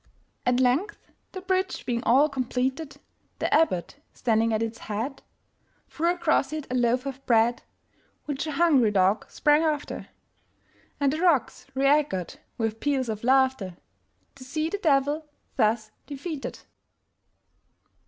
At length, the bridge being all completed, The Abbot, standing at its head, Threw across it a loaf of bread, Which a hungry dog sprang after, And the rocks reëchoed with peals of laughterTo see the Devil thus defeated!